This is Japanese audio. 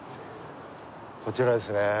こちらですね。